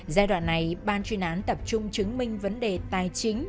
giai đoạn này ban chuyên án tập trung chứng minh vấn đề tài chính